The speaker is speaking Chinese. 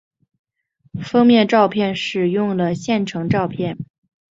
封面照片使用了现成照片。